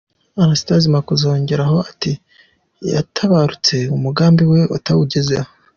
Anastase Makuza yongeraho ati yatabarutse umugambi we atawugezeho.